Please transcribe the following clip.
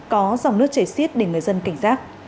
có dòng nước chảy xiết để người dân cảnh giác